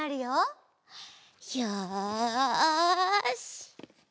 よし！